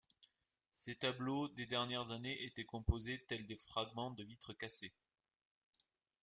Ses tableaux des dernières années étaient composés tels des fragments de vitre cassée.